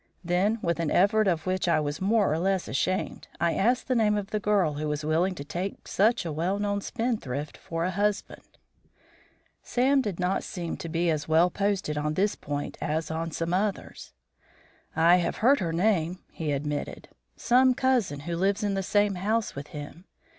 Then with an effort of which I was more or less ashamed, I asked the name of the girl who was willing to take such a well known spendthrift for a husband. Sam did not seem to be as well posted on this point as on some others. "I have heard her name," he admitted. "Some cousin, who lives in the same house with him.